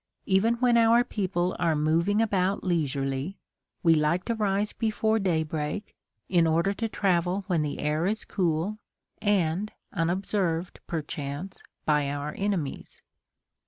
Even when our people are moving about leisurely, we like to rise before daybreak, in order to travel when the air is cool, and unobserved, perchance, by our enemies.